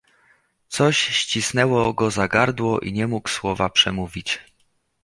"coś ścisnęło go za gardło i nie mógł słowa przemówić."